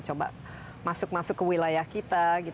coba masuk masuk ke wilayah kita